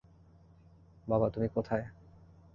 বাবা, তুমি কোথায়?